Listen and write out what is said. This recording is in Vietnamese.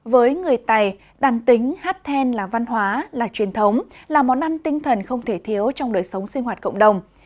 với người tày đàn tính hát then là văn hóa là truyền thống là món ăn tinh thần không thể thiếu trong đời sống sinh hoạt cộng đồng